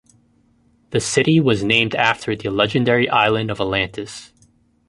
The city was named after the legendary island of Atlantis.